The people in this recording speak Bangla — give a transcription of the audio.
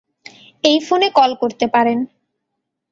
এই ফোনে কল করতে পারেন!